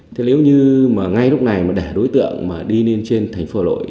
thế nếu như mà ngay lúc này mà đẻ đối tượng mà đi lên trên thành phố hà lội